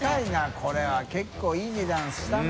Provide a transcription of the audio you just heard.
これは結構いい値段したな。